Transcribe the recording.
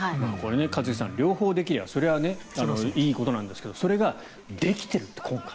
一茂さん、両方できればそれはいいことなんですけどそれができていると、今回。